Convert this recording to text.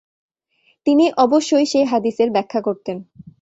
তিনি অবশ্যই সে হাদীসের ব্যাখ্যা করতেন।